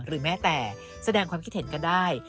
แม้แต่แสดงความคิดเห็นก็ได้